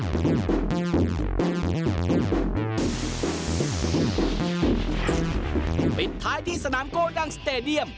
ปิดท้ายที่สนามโกดังสเตดียม